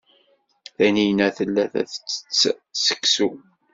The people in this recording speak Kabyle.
Taninna tella la tettett seksu.